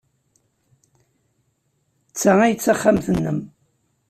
D ta ay d taxxamt-nnem?